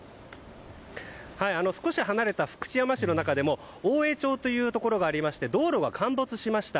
少し離れた福知山市の中でも大江町というところがありまして道路が陥没しました